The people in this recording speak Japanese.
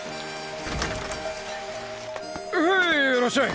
へいらっしゃい！